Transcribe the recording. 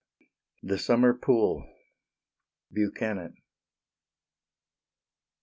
THE SUMMER POOL. BUCHANAN.